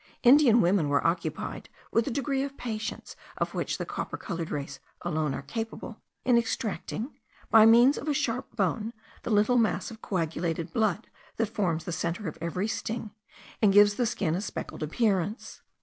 Indian women were occupied, with a degree of patience of which the copper coloured race alone are capable, in extracting, by means of a sharp bone, the little mass of coagulated blood that forms the centre of every sting, and gives the skin a speckled appearance.